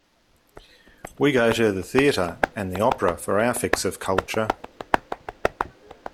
We go to the theatre and the opera for our fix of culture